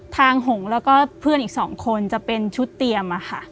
หงแล้วก็เพื่อนอีก๒คนจะเป็นชุดเตรียมค่ะ